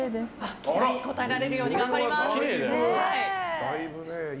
期待に応えられるよう頑張ります。